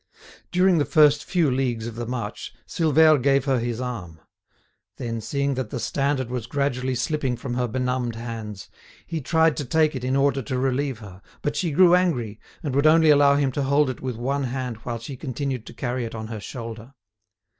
During the first few leagues of the march Silvère gave her his arm; then, seeing that the standard was gradually slipping from her benumbed hands, he tried to take it in order to relieve her; but she grew angry, and would only allow him to hold it with one hand while she continued to carry it on her shoulder.